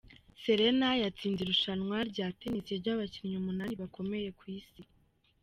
Serena yatsinze irushanwa rya tenisi ry’abakinnyi umunani bakomeye ku isi